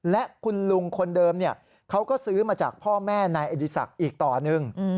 และคุณลุงคนเดิมเขาก็ซื้อมาจากพ่อแม่นายอดีศักดิ์อีกต่อหนึ่ง